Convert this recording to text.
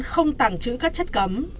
không tẳng chữ các chất cấm